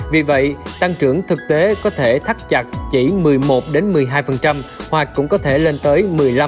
vì vậy tăng trưởng thực tế có thể thắt chặt chỉ một mươi một một mươi hai hoặc cũng có thể lên tới một mươi năm một mươi sáu